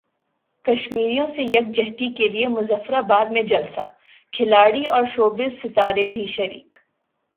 کشمیریوں سے یکجہتی کیلئے مظفر اباد میں جلسہ کھلاڑی اور شوبز ستارے بھی شریک